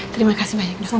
terima kasih banyak dokter